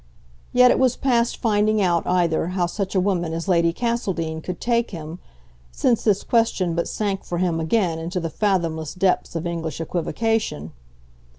Yet it was past finding out, either, how such a woman as Lady Castledean could take him since this question but sank for him again into the fathomless depths of English equivocation.